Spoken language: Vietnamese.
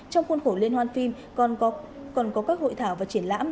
trong khuôn khổ liên hoan phim còn có các hội thảo và triển lãm